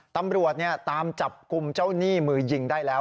ตำรวจตามจับกลุ่มเจ้าหนี้มือยิงได้แล้ว